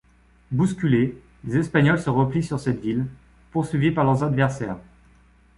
Bousculés, les Espagnols se replient sur cette ville, poursuivis par leurs adversaires.